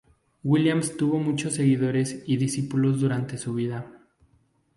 Williams tuvo muchos seguidores y discípulos durante su vida.